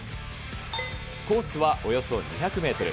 コースはおよそ２００メートル。